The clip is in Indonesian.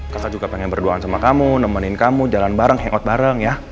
kakak juga pengen berdoa sama kamu nemenin kamu jalan bareng hangout bareng ya